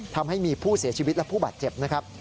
ทำให้มีผู้เสียชีวิตและผู้บาดเจ็บนะครับ